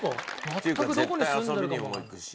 どこ？っていうか絶対遊びにも行くし。